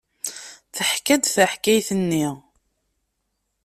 Teḥka-d taḥkayt-nni.